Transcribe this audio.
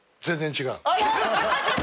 全然違う。